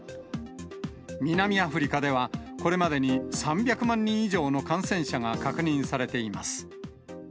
南アフリカでは、これまでに３００万人以上の感染者が確認されています。